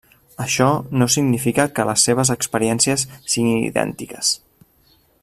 Això no significa que les seves experiències siguin idèntiques.